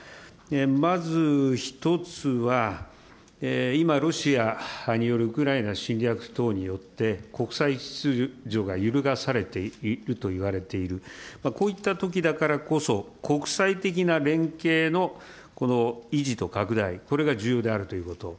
まず１つは、今、ロシアによるウクライナ侵略等によって、国際秩序が揺るがされているといわれている、こういったときだからこそ、国際的な連携の維持と拡大、これが重要であるということ。